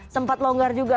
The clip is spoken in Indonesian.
sempat longgar juga